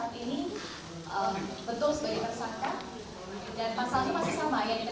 yang dikenakan seperti penetapan tersangka untuk pertanangan pada jumlah